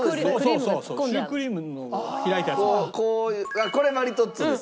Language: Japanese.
あっこれマリトッツォです。